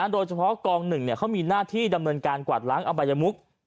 โดยเฉพาะกอง๑เขามีหน้าที่ดำเนินการกวาดล้างอบัยมุก